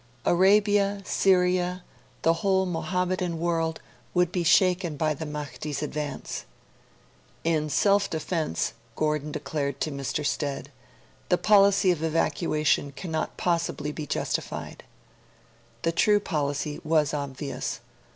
Arabia, Syria, the whole Mohammedan world, would be shaken by the Mahdi's advance. 'In self defence,' Gordon declared to Mr. Stead, the policy of evacuation cannot possibly be justified.' The true policy was obvious.